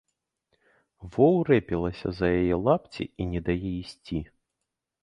Во, урэпілася за яе лапці і не дае ісці.